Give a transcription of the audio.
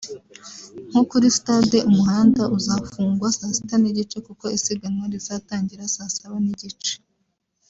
nko kuri Stade umuhanda uzafungwa Saa Sita n’igice kuko isiganwa rizatangira Saa Saba n’igice